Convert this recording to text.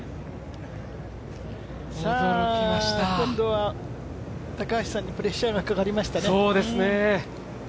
今度は高橋さんにプレッシャーがかかりましたね。